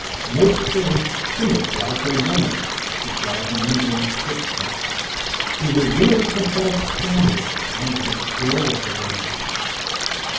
"Nature is timid like a woman," declares an Indian scripture. "She reveals herself shyly and withdraws again."